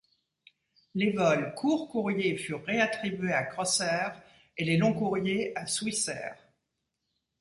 Les vols courts-courrier furent réattribués à Crossair et les long-courriers à Swissair.